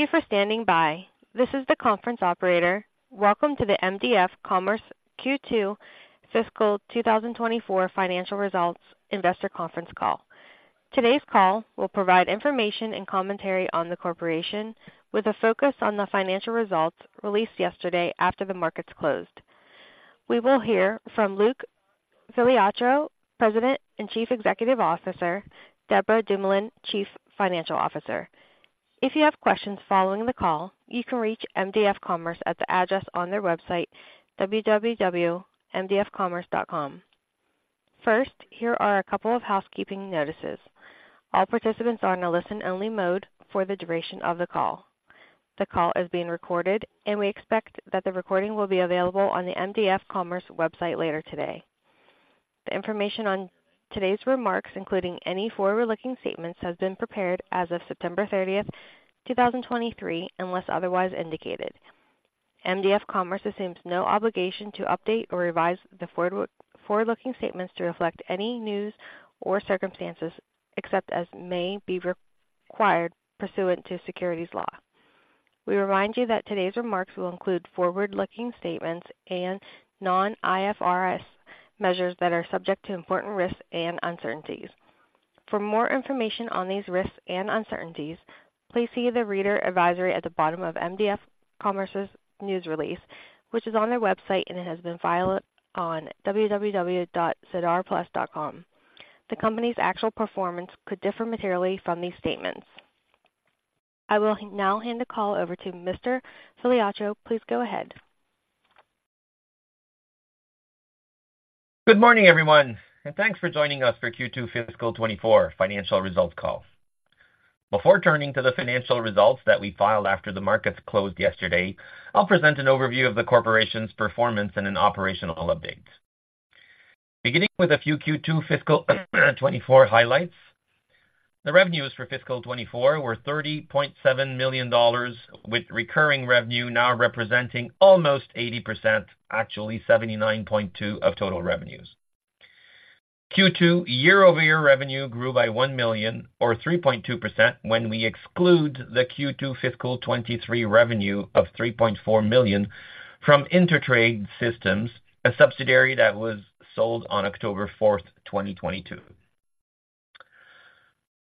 Thank you for standing by. This is the conference operator. Welcome to the mdf commerce Q2 Fiscal 2024 Financial Results Investor Conference call. Today's call will provide information and commentary on the corporation, with a focus on the financial results released yesterday after the markets closed. We will hear from Luc Filiatreault, President and Chief Executive Officer, Deborah Dumoulin, Chief Financial Officer. If you have questions following the call, you can reach mdf commerce at the address on their website, www.mdfcommerce.com. First, here are a couple of housekeeping notices. All participants are in a listen-only mode for the duration of the call. The call is being recorded, and we expect that the recording will be available on the mdf commerce website later today. The information on today's remarks, including any forward-looking statements, has been prepared as of September 30th, 2023, unless otherwise indicated. mdf commerce assumes no obligation to update or revise the forward, forward-looking statements to reflect any news or circumstances, except as may be required pursuant to securities law. We remind you that today's remarks will include forward-looking statements and non-IFRS measures that are subject to important risks and uncertainties. For more information on these risks and uncertainties, please see the reader advisory at the bottom of mdf commerce's news release, which is on their website and it has been filed on www.sedarplus.com. The company's actual performance could differ materially from these statements. I will now hand the call over to Mr. Filiatreault. Please go ahead. Good morning, everyone, and thanks for joining us for Q2 fiscal 2024 financial results call. Before turning to the financial results that we filed after the markets closed yesterday, I'll present an overview of the corporation's performance and an operational update. Beginning with a few Q2 fiscal 2024 highlights, the revenues for fiscal 2024 were 30.7 million dollars, with recurring revenue now representing almost 80%, actually 79.2% of total revenues. Q2 year-over-year revenue grew by 1 million or 3.2% when we exclude the Q2 fiscal 2023 revenue of 3.4 million from InterTrade Systems, a subsidiary that was sold on October 4th, 2022.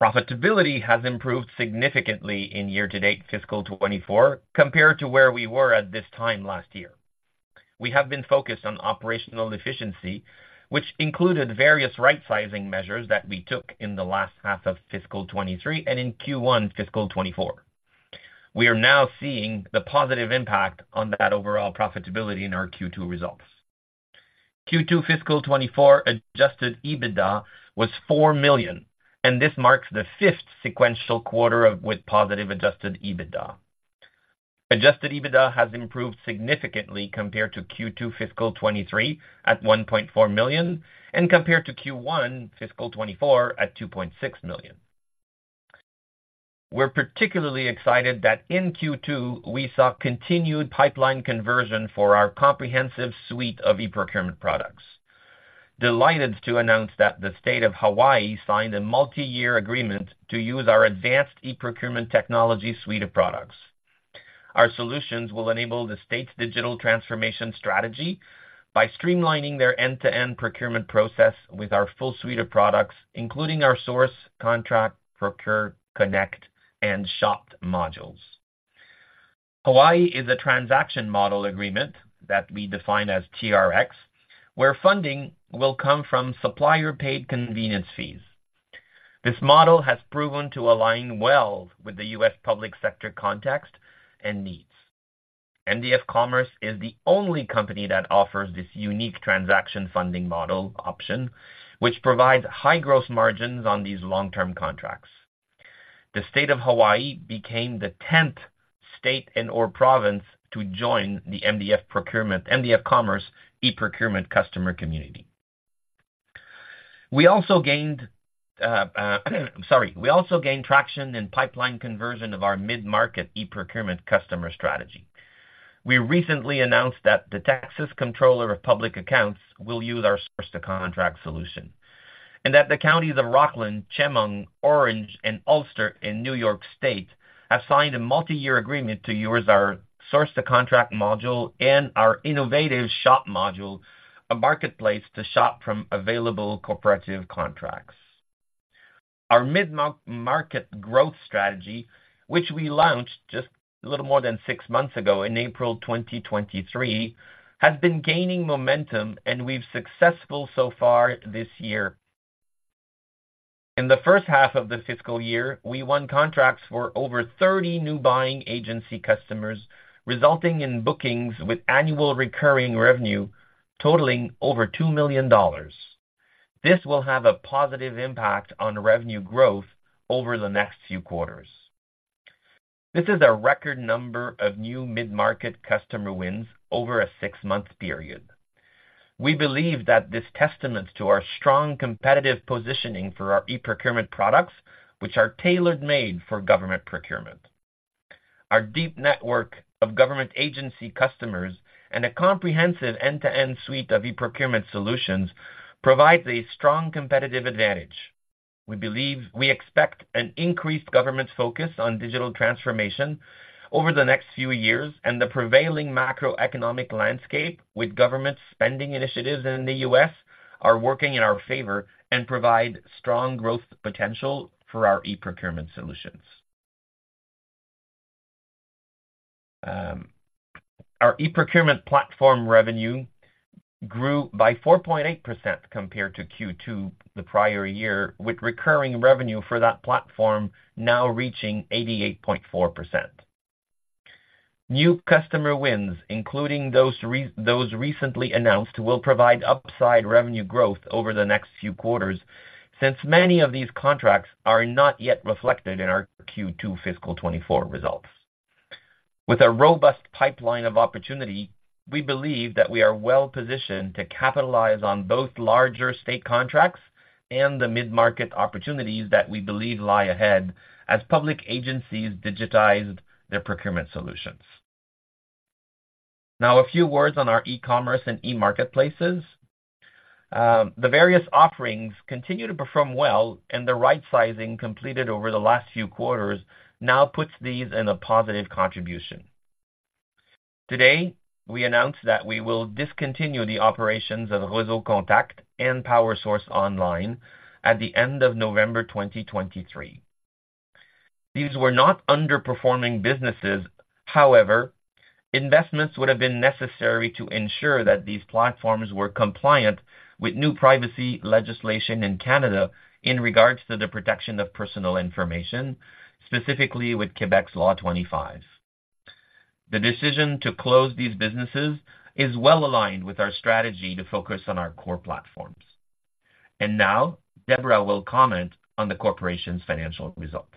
Profitability has improved significantly in year-to-date fiscal 2024 compared to where we were at this time last year. We have been focused on operational efficiency, which included various right-sizing measures that we took in the last half of fiscal 2023 and in Q1 fiscal 2024. We are now seeing the positive impact on that overall profitability in our Q2 results. Q2 fiscal 2024 Adjusted EBITDA was 4 million, and this marks the fifth sequential quarter with positive Adjusted EBITDA. Adjusted EBITDA has improved significantly compared to Q2 fiscal 2023 at 1.4 million, and compared to Q1 fiscal 2024 at 2.6 million. We're particularly excited that in Q2, we saw continued pipeline conversion for our comprehensive suite of e-procurement products. Delighted to announce that the State of Hawaii signed a multi-year agreement to use our advanced e-procurement technology suite of products. Our solutions will enable the state's digital transformation strategy by streamlining their end-to-end procurement process with our full suite of products, including our Source, Contract, Procure, Connect, and Shop modules. Hawaii is a transaction model agreement that we define as TRX, where funding will come from supplier-paid convenience fees. This model has proven to align well with the U.S. public sector context and needs. mdf commerce is the only company that offers this unique transaction funding model option, which provides high gross margins on these long-term Contracts. The state of Hawaii became the 10th state and/or province to join the mdf commerce e-procurement customer community. We also gained traction in pipeline conversion of our mid-market e-procurement customer strategy. We recently announced that the Texas Comptroller of Public Accounts will use our Source-to-Contract solution, and that the counties of Rockland, Chemung, Orange, and Ulster in New York State have signed a multi-year agreement to use our Source-to-Contract module and our innovative shop module, a marketplace to shop from available cooperative Contracts. Our mid-market growth strategy, which we launched just a little more than six months ago in April 2023, has been gaining momentum and we've been successful so far this year. In the first half of the fiscal year, we won Contracts for over 30 new buying agency customers, resulting in bookings with annual recurring revenue totaling over $2 million. This will have a positive impact on revenue growth over the next few quarters. This is a record number of new mid-market customer wins over a six-month period. We believe that this testament to our strong competitive positioning for our e-procurement products, which are tailor-made for government procurement. Our deep network of government agency customers and a comprehensive end-to-end suite of e-procurement solutions provides a strong competitive advantage. We believe we expect an increased government's focus on digital transformation over the next few years, and the prevailing macroeconomic landscape with government spending initiatives in the U.S. are working in our favor and provide strong growth potential for our e-procurement solutions. Our e-procurement platform revenue grew by 4.8% compared to Q2 the prior year, with recurring revenue for that platform now reaching 88.4%. New customer wins, including those recently announced, will provide upside revenue growth over the next few quarters, since many of these Contracts are not yet reflected in our Q2 fiscal 2024 results. With a robust pipeline of opportunity, we believe that we are well-positioned to capitalize on both larger state Contracts and the mid-market opportunities that we believe lie ahead as public agencies digitize their procurement solutions. Now, a few words on our e-commerce and e-marketplaces. The various offerings continue to perform well, and the right sizing completed over the last few quarters now puts these in a positive contribution. Today, we announce that we will discontinue the operations of Réseau Contact and PowerSource Online at the end of November 2023. These were not underperforming businesses. However, investments would have been necessary to ensure that these platforms were compliant with new privacy legislation in Canada in regards to the protection of personal information, specifically with Quebec's Law 25. The decision to close these businesses is well aligned with our strategy to focus on our core platforms. Now, Deborah will comment on the Corporation's financial results.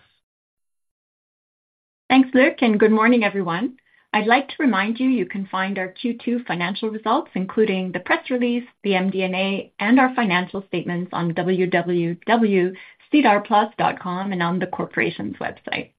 Thanks, Luc, and good morning, everyone. I'd like to remind you, you can find our Q2 financial results, including the press release, the MD&A, and our financial statements on www.sedarplus.com and on the Corporation's website.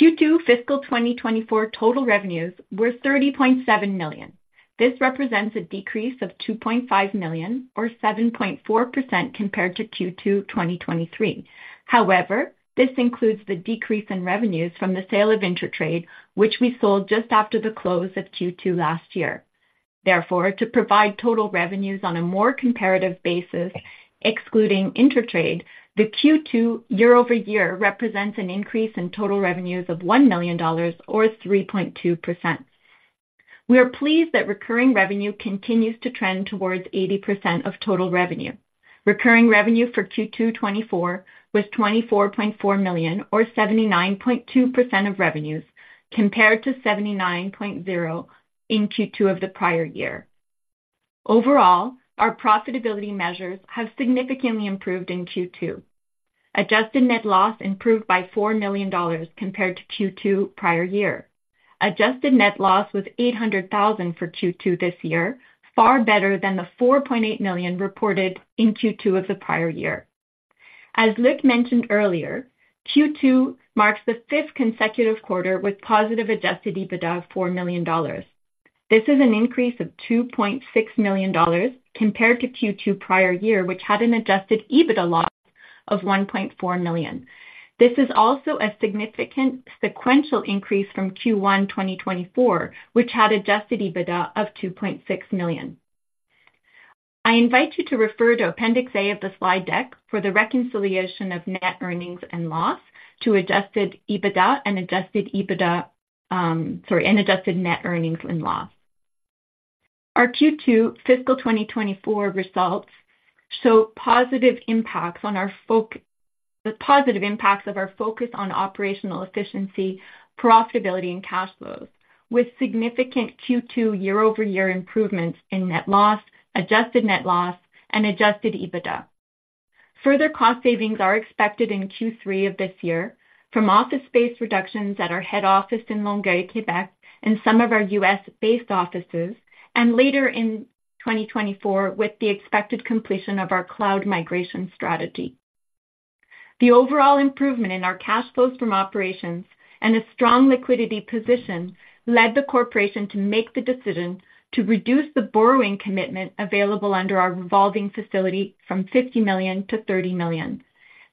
Q2 fiscal 2024 total revenues were 30.7 million. This represents a decrease of 2.5 million, or 7.4%, compared to Q2 2023. However, this includes the decrease in revenues from the sale of InterTrade, which we sold just after the close of Q2 last year. Therefore, to provide total revenues on a more comparative basis, excluding InterTrade, the Q2 year-over-year represents an increase in total revenues of 1 million dollars or 3.2%. We are pleased that recurring revenue continues to trend towards 80% of total revenue. Recurring revenue for Q2 2024 was 24.4 million or 79.2% of revenues, compared to 79.0% in Q2 of the prior year. Overall, our profitability measures have significantly improved in Q2. Adjusted net loss improved by 4 million dollars compared to Q2 prior year. Adjusted net loss was 800,000 for Q2 this year, far better than the 4.8 million reported in Q2 of the prior year. As Luc mentioned earlier, Q2 marks the fifth consecutive quarter with positive Adjusted EBITDA of 4 million dollars. This is an increase of 2.6 million dollars compared to Q2 prior year, which had an Adjusted EBITDA loss of 1.4 million. This is also a significant sequential increase from Q1 2024, which had Adjusted EBITDA of 2.6 million. I invite you to refer to Appendix A of the slide deck for the reconciliation of net earnings and loss to adjusted EBITDA and adjusted net earnings and loss. Our Q2 fiscal 2024 results show the positive impacts of our focus on operational efficiency, profitability, and cash flows, with significant Q2 year-over-year improvements in net loss, adjusted net loss, and adjusted EBITDA. Further cost savings are expected in Q3 of this year from office space reductions at our head office in Longueuil, Quebec, and some of our U.S.-based offices, and later in 2024, with the expected completion of our cloud migration strategy. The overall improvement in our cash flows from operations and a strong liquidity position led the Corporation to make the decision to reduce the borrowing commitment available under our revolving facility from 50 million to 30 million.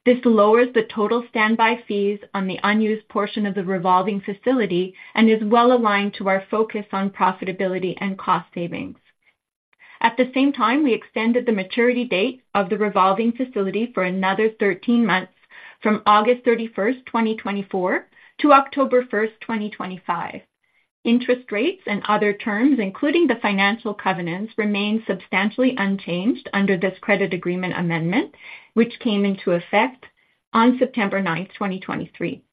This lowers the total standby fees on the unused portion of the revolving facility and is well aligned to our focus on profitability and cost savings. At the same time, we extended the maturity date of the revolving facility for another 13 months, from August 31st, 2024, to October 1, 2025. Interest rates and other terms, including the financial covenants, remain substantially unchanged under this credit agreement amendment, which came into effect on September 9th, 2023.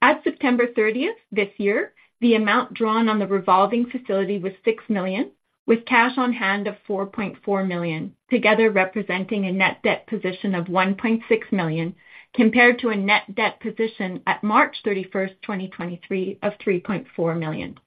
At September 30th this year, the amount drawn on the revolving facility was 6 million, with cash on hand of 4.4 million, together representing a net debt position of 1.6 million, compared to a net debt position at March 31st, 2023, of 3.4 million.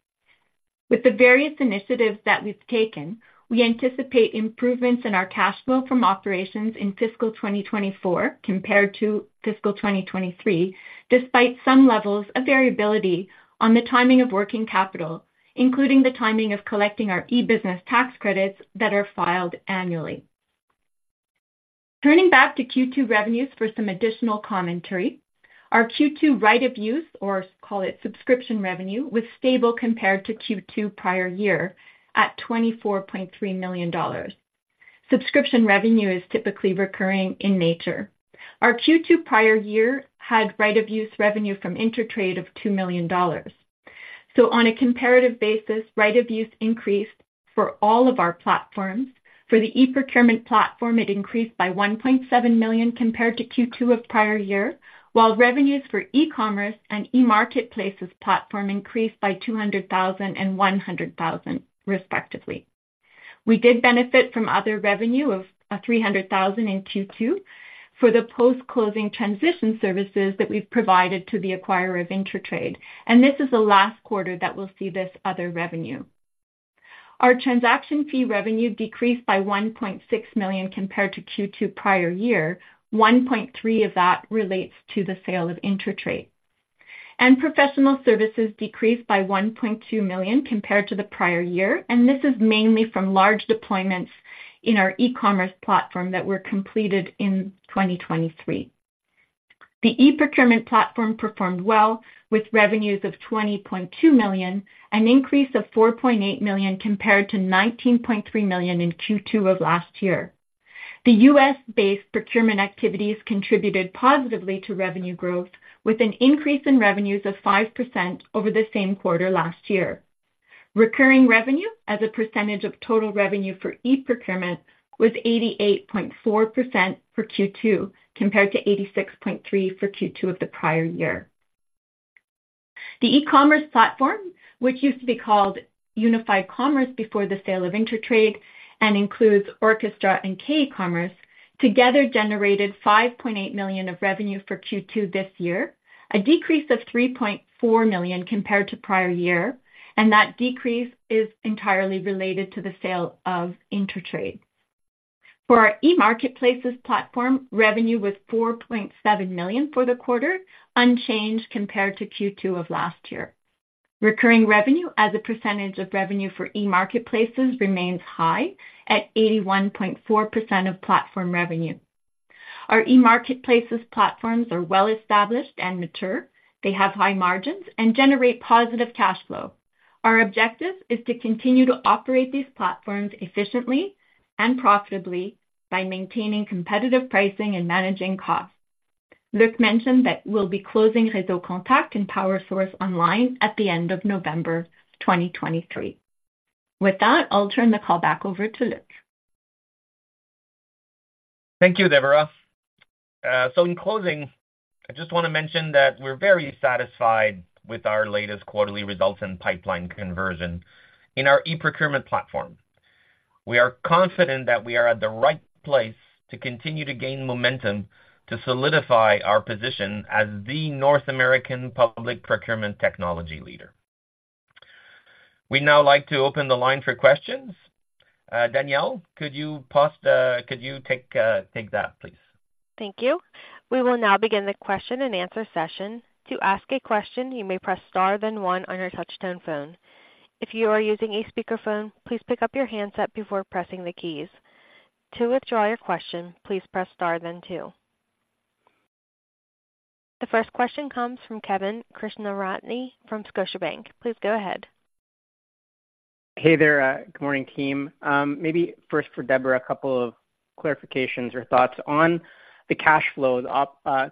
With the various initiatives that we've taken, we anticipate improvements in our cash flow from operations in fiscal 2024 compared to fiscal 2023, despite some levels of variability on the timing of working capital, including the timing of collecting our e-business tax credits that are filed annually. Turning back to Q2 revenues for some additional commentary. Our Q2 right of use, or call it subscription revenue, was stable compared to Q2 prior year at 24.3 million dollars. Subscription revenue is typically recurring in nature. Our Q2 prior year had right of use revenue from InterTrade of 2 million dollars. So on a comparative basis, right of use increased for all of our platforms. For the e-procurement platform, it increased by 1.7 million compared to Q2 of prior year, while revenues for e-commerce and e-marketplaces platform increased by 200,000 and 100,000, respectively. We did benefit from other revenue of 300,000 in Q2 for the post-closing transition services that we've provided to the acquirer of InterTrade, and this is the last quarter that we'll see this other revenue. Our transaction fee revenue decreased by 1.6 million compared to Q2 prior year. 1.3 of that relates to the sale of InterTrade. Professional services decreased by 1.2 million compared to the prior year, and this is mainly from large deployments in our e-commerce platform that were completed in 2023. The e-procurement platform performed well, with revenues of 20.2 million, an increase of 4.8 million compared to 19.3 million in Q2 of last year. The U.S.-based procurement activities contributed positively to revenue growth, with an increase in revenues of 5% over the same quarter last year. Recurring revenue, as a percentage of total revenue for e-procurement, was 88.4% for Q2, compared to 86.3% for Q2 of the prior year. The e-commerce platform, which used to be called Unified Commerce before the sale of InterTrade and includes Orckestra and k-eCommerce, together generated 5.8 million of revenue for Q2 this year, a decrease of 3.4 million compared to prior year, and that decrease is entirely related to the sale of InterTrade. For our e-marketplaces platform, revenue was 4.7 million for the quarter, unchanged compared to Q2 of last year. Recurring revenue as a percentage of revenue for e-marketplaces remains high at 81.4% of platform revenue. Our e-marketplaces platforms are well-established and mature. They have high margins and generate positive cash flow. Our objective is to continue to operate these platforms efficiently and profitably by maintaining competitive pricing and managing costs. Luc mentioned that we'll be closing Réseau Contact and PowerSource Online at the end of November 2023. With that, I'll turn the call back over to Luc. Thank you, Deborah. So in closing, I just want to mention that we're very satisfied with our latest quarterly results and pipeline conversion in our e-procurement platform. We are confident that we are at the right place to continue to gain momentum to solidify our position as the North American public procurement technology leader. We'd now like to open the line for questions. Danielle, could you take that, please? Thank you. We will now begin the question and answer session. To ask a question, you may press star, then one on your touchtone phone. If you are using a speakerphone, please pick up your handset before pressing the keys. To withdraw your question, please press star, then two. The first question comes from Kevin Krishnaratne from Scotiabank. Please go ahead. Hey there. Good morning, team. Maybe first for Deborah, a couple of clarifications or thoughts on the cash flows.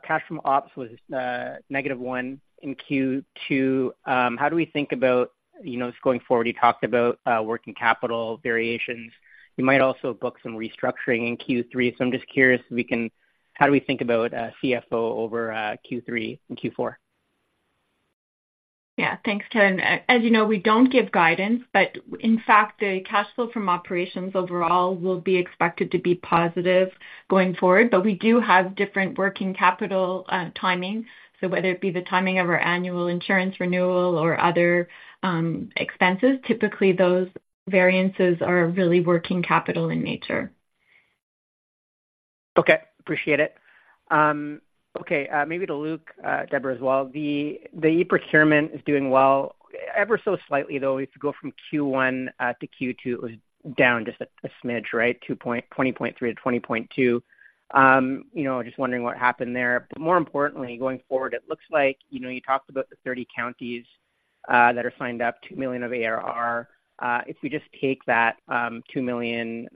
Cash from ops was -1 in Q2. How do we think about, you know, just going forward, you talked about working capital variations. You might also book some restructuring in Q3. So I'm just curious how we think about CFO over Q3 and Q4? Yeah. Thanks, Kevin. As you know, we don't give guidance, but in fact, the cash flow from operations overall will be expected to be positive going forward. But we do have different working capital timing. So whether it be the timing of our annual insurance renewal or other expenses, typically those variances are really working capital in nature. Okay, appreciate it. Okay, maybe to Luc, Deborah as well. The, the e-procurement is doing well. Ever so slightly, though, if you go from Q1 to Q2, it was down just a smidge, right? 20.3-20.2. You know, just wondering what happened there. But more importantly, going forward, it looks like, you know, you talked about the 30 counties that are signed up, 2 million of ARR. If we just take that, 2 million,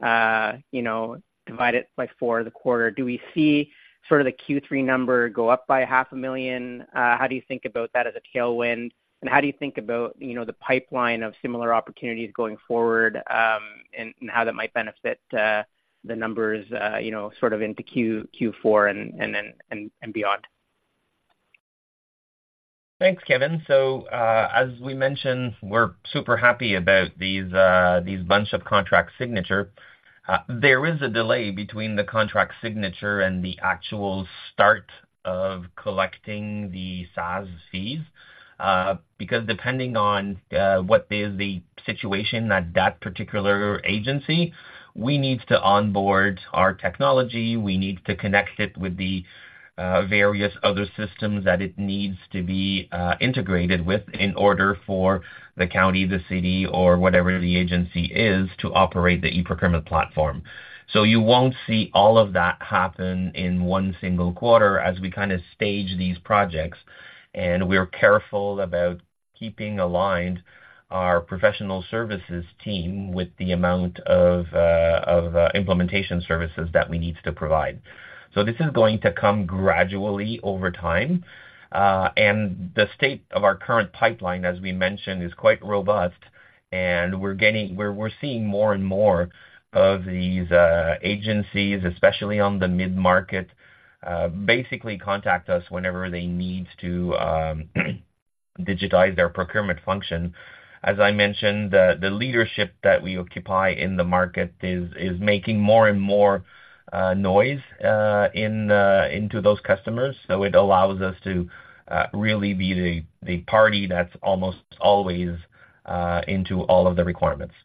you know, divide it by four, the quarter, do we see sort of the Q3 number go up by 500,000? How do you think about that as a tailwind, and how do you think about, you know, the pipeline of similar opportunities going forward, and how that might benefit the numbers, you know, sort of into Q4 and then beyond? Thanks, Kevin. So, as we mentioned, we're super happy about these bunch of Contract signature. There is a delay between the Contract signature and the actual start of collecting the SaaS fees, because depending on what is the situation at that particular agency, we need to onboard our technology. We need to connect it with the various other systems that it needs to be integrated with in order for the county, the city, or whatever the agency is, to operate the e-procurement platform. So you won't see all of that happen in one single quarter as we kind of stage these projects, and we're careful about keeping aligned our professional services team with the amount of implementation services that we need to provide. So this is going to come gradually over time. And the state of our current pipeline, as we mentioned, is quite robust, and we're seeing more and more of these agencies, especially on the mid-market, basically contact us whenever they need to digitize their procurement function. As I mentioned, the leadership that we occupy in the market is making more and more noise into those customers, so it allows us to really be the party that's almost always into all of the requirements.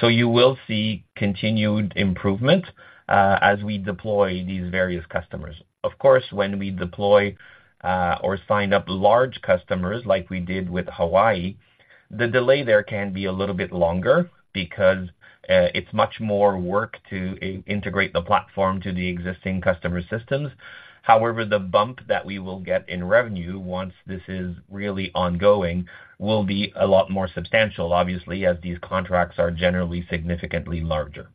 So you will see continued improvement as we deploy these various customers. Of course, when we deploy or sign up large customers, like we did with Hawaii, the delay there can be a little bit longer because it's much more work to integrate the platform to the existing customer systems. However, the bump that we will get in revenue, once this is really ongoing, will be a lot more substantial, obviously, as these Contracts are generally significantly larger.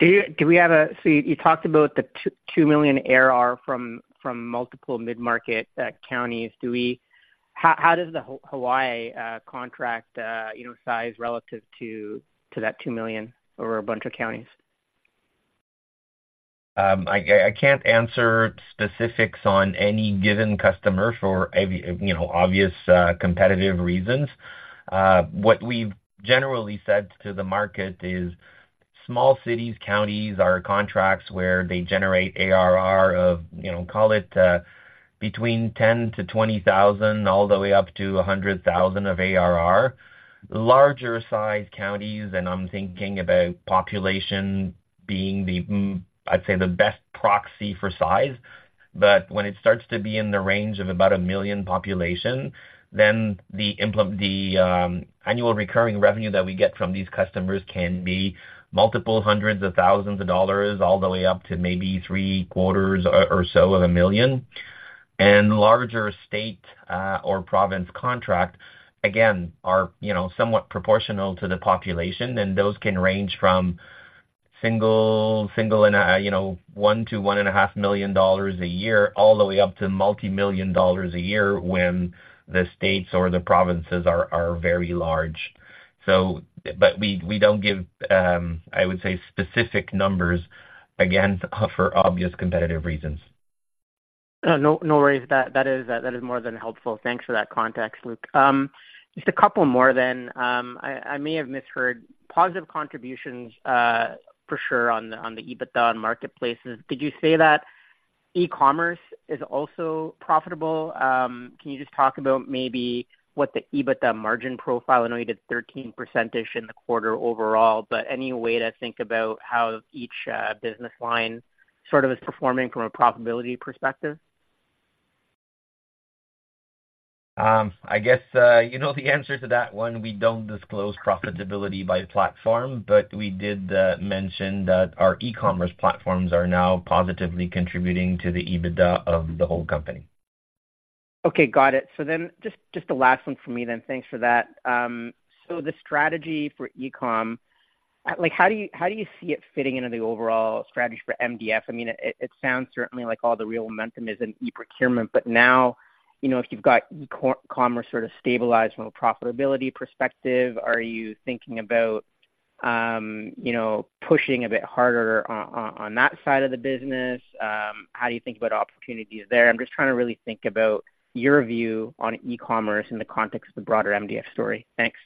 So you talked about the 2 million ARR from multiple mid-market counties. How does the Hawaii Contract, you know, size relative to that 2 million over a bunch of counties? I can't answer specifics on any given customer for obvious, you know, competitive reasons. What we've generally said to the market is small cities, counties, are Contracts where they generate ARR of, you know, call it, between $10,000-$20,000, all the way up to $100,000 of ARR. Larger sized counties, and I'm thinking about population being the, I'd say, the best proxy for size, but when it starts to be in the range of about 1 million population, then the annual recurring revenue that we get from these customers can be multiple hundreds of thousands of dollars, all the way up to maybe $750,000 or so. Larger state or province Contract, again, are, you know, somewhat proportional to the population, and those can range from 1 million-1.5 million dollars a year, you know, all the way up to multimillion dollars a year when the states or the provinces are very large. But we don't give, I would say, specific numbers, again, for obvious competitive reasons. No, no worries. That is more than helpful. Thanks for that context, Luc. Just a couple more then. I may have misheard: positive contributions, for sure, on the EBITDA and marketplaces. Did you say that e-commerce is also profitable? Can you just talk about maybe what the EBITDA margin profile? I know you did 13% in the quarter overall, but any way to think about how each business line sort of is performing from a profitability perspective? I guess, you know the answer to that one. We don't disclose profitability by platform, but we did mention that our e-commerce platforms are now positively contributing to the EBITDA of the whole company. Okay, got it. So then, just the last one for me then. Thanks for that. So the strategy for e-commerce, like, how do you see it fitting into the overall strategy for mdf? I mean, it sounds certainly like all the real momentum is in e-procurement, but now, you know, if you've got e-commerce sort of stabilized from a profitability perspective, are you thinking about, you know, pushing a bit harder on that side of the business? How do you think about opportunities there? I'm just trying to really think about your view on e-commerce in the context of the broader mdf story. Thanks.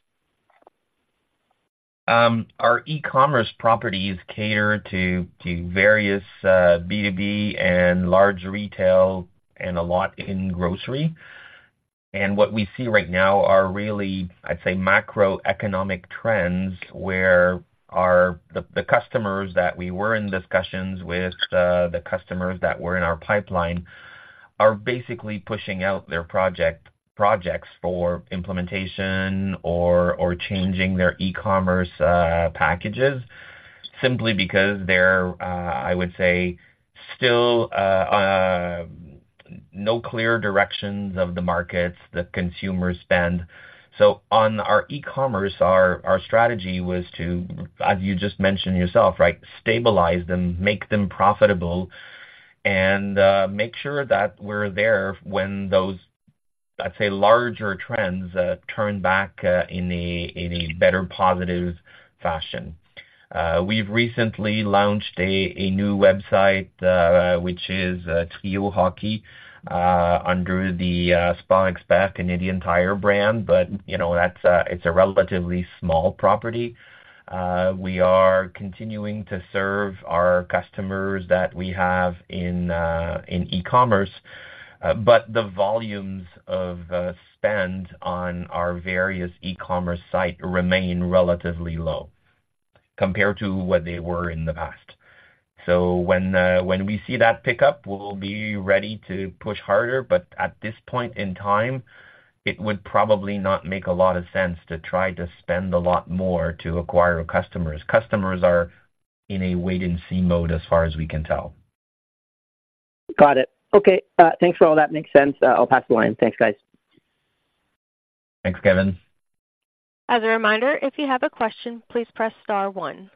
Our e-commerce properties cater to various B2B and large retail and a lot in grocery. What we see right now are really, I'd say, macroeconomic trends, where the customers that we were in discussions with, the customers that were in our pipeline, are basically pushing out their project, projects for implementation or changing their e-commerce packages, simply because they're, I would say, still no clear directions of the markets, the consumer spend. On our e-commerce, our strategy was to, as you just mentioned yourself, right, stabilize them, make them profitable, and make sure that we're there when those, I'd say, larger trends turn back in a better positive fashion. We've recently launched a new website, which is Trio Hockey, under the Sports Experts Canadian Tire brand, but you know, that's, it's a relatively small property. We are continuing to serve our customers that we have in e-commerce, but the volumes of spend on our various e-commerce site remain relatively low compared to what they were in the past. So when we see that pick up, we'll be ready to push harder, but at this point in time, it would probably not make a lot of sense to try to spend a lot more to acquire customers. Customers are in a wait-and-see mode as far as we can tell. Got it. Okay, thanks for all that. Makes sense. I'll pass the line. Thanks, guys. Thanks, Kevin. As a reminder, if you have a question, please press star one.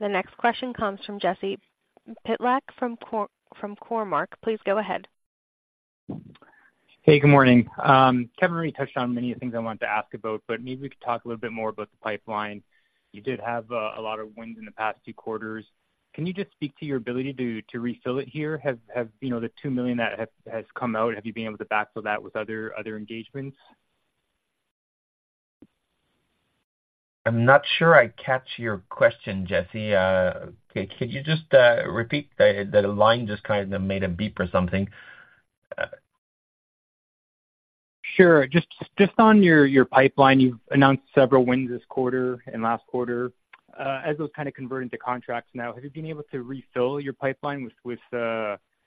The next question comes from Jesse Pytlak from Cormark. Please go ahead. Hey, good morning. Kevin already touched on many things I wanted to ask about, but maybe we could talk a little bit more about the pipeline. You did have a lot of wins in the past 2 quarters. Can you just speak to your ability to refill it here? Have you know, the 2 million that has come out, have you been able to backfill that with other engagements? I'm not sure I catch your question, Jesse. Okay, could you just repeat? The line just kind of made a beep or something. Sure. Just on your pipeline, you've announced several wins this quarter and last quarter. As those kind of convert into Contracts now, have you been able to refill your pipeline with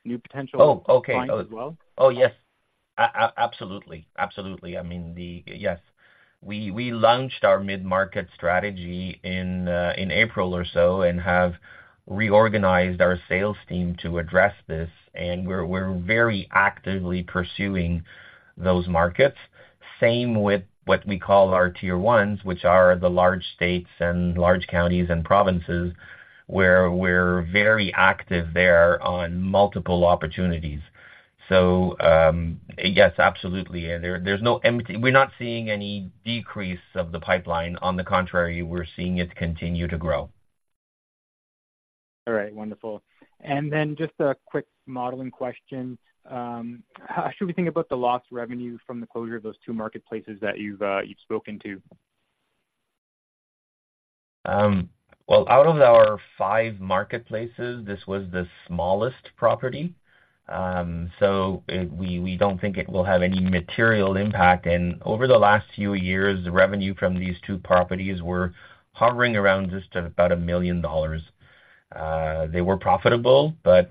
new potential- Oh, okay. -as well? Oh, yes. Absolutely. Absolutely. I mean, yes, we launched our mid-market strategy in April or so and have reorganized our sales team to address this, and we're very actively pursuing those markets. Same with what we call our Tier 1s, which are the large states and large counties and provinces, where we're very active there on multiple opportunities. So, yes, absolutely. We're not seeing any decrease of the pipeline. On the contrary, we're seeing it continue to grow. All right. Wonderful. And then just a quick modeling question. How should we think about the lost revenue from the closure of those two marketplaces that you've spoken to? Well, out of our five marketplaces, this was the smallest property, so we, we don't think it will have any material impact. And over the last few years, the revenue from these two properties were hovering around just about 1 million dollars. They were profitable, but,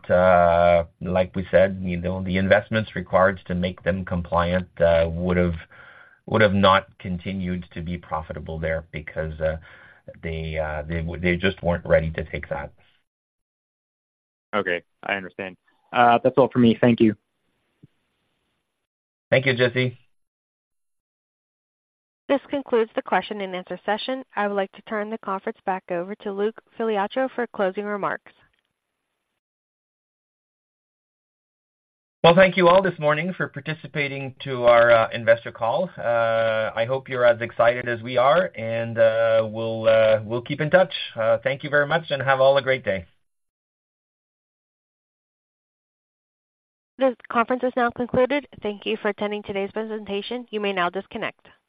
like we said, you know, the investments required to make them compliant, would've, would have not continued to be profitable there because, they, they, they just weren't ready to take that. Okay, I understand. That's all for me. Thank you. Thank you, Jesse. This concludes the question and answer session. I would like to turn the conference back over to Luc Filiatreault for closing remarks. Well, thank you all this morning for participating to our investor call. I hope you're as excited as we are, and we'll keep in touch. Thank you very much, and have all a great day. This conference is now concluded. Thank you for attending today's presentation. You may now disconnect.